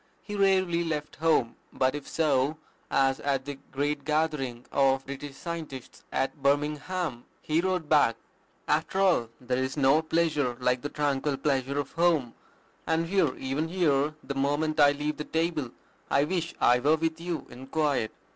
He rarely left home; but if so, as at the great gathering of British Scientists at Birmingham, he wrote back, "After all, there is no pleasure like the tranquil pleasure of home; and here, even here, the moment I leave the table, I wish I were with you IN QUIET.